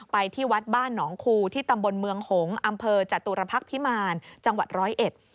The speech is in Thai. ที่วัดบ้านหนองคูที่ตำบลเมืองหงษ์อำเภอจตุรพักษ์พิมารจังหวัดร้อยเอ็ด